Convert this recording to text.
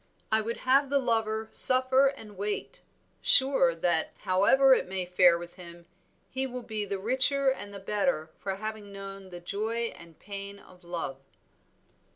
"I would have the lover suffer and wait; sure that, however it may fare with him, he will be the richer and the better for having known the joy and pain of love."